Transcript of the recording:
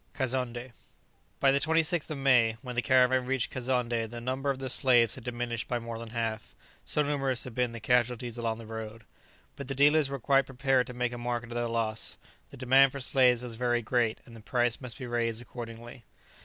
KAZONNDÉ. By the 26th of May, when the caravan reached Kazonndé the number of the slaves had diminished by more than half, so numerous had been the casualties along the road. But the dealers were quite prepared to make a market of their loss; the demand for slaves was very great, and the price must be raised accordingly.